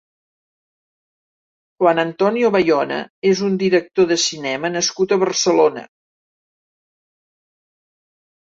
Juan Antonio Bayona és un director de cinema nascut a Barcelona.